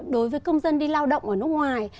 đối với công dân đi lao động ở nước ngoài